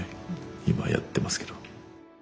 今やってますけど。